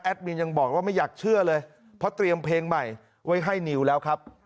มินยังบอกว่าไม่อยากเชื่อเลยเพราะเตรียมเพลงใหม่ไว้ให้นิวแล้วครับ